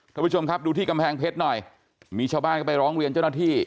ท่านผู้ชมครับดูที่กำแพงเพชรหน่อยมีชาวบ้านเข้าไปร้องเรียนเจ้าหน้าที่